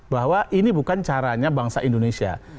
bahwa ini bukan caranya bangsa indonesia